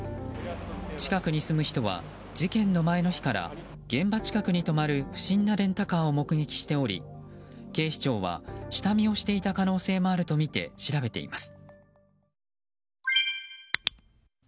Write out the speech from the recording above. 近くに住む人は事件の前の日から現場近くに止まる不審なレンタカーを目撃しており警視庁は、下見をしていた可能性もあるとみて調べています。